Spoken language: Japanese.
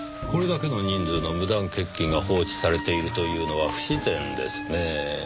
これだけの人数の無断欠勤が放置されているというのは不自然ですねぇ。